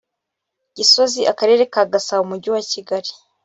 gisozi akarere ka gasabo umujyi wa kigali